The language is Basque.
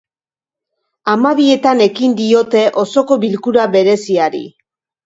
Hamabietan ekin diote osoko bilkura bereziari.